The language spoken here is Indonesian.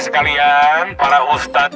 mengabuk tanpa music